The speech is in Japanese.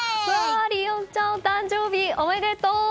凜音ちゃんお誕生日おめでとう！